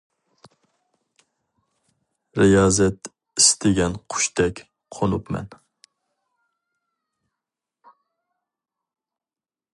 رىيازەت ئىستىگەن قۇشتەك قونۇپ مەن.